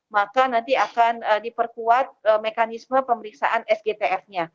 maka nanti akan diperkuat mekanisme pemeriksaan eskimer